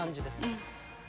うん。